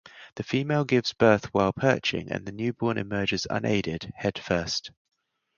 The female gives birth while perching and the newborn emerges unaided, head first.